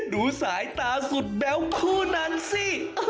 ดูสายตาสุดแบ๊วคู่นั้นสิ